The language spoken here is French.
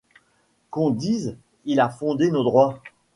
Qu'on dise : il a fondé nos droits ;